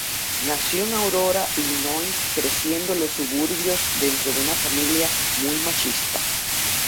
Nació en Aurora, Illinois, creciendo en los suburbios, dentro de una familia muy machista.